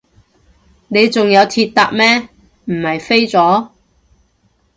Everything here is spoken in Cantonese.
你仲有鐵搭咩，唔係飛咗？